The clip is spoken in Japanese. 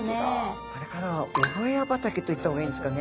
これからはおホヤ畑と言った方がいいんですかね。